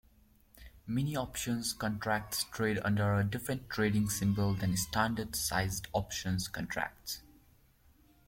Mini-options contracts trade under a different trading symbol than standard-sized options contracts.